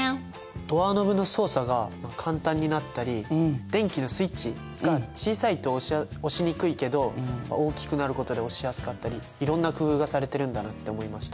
ドアノブの操作が簡単になったり電気のスイッチが小さいと押しにくいけど大きくなることで押しやすかったりいろんな工夫がされてるんだなって思いました。